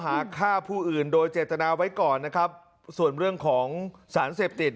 หาฆ่าผู้อื่นโดยเจตนาไว้ก่อนนะครับส่วนเรื่องของสารเสพติด